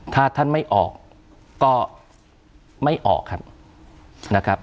ถ้าท่านไม่ออกก็ไม่ออกครับนะครับ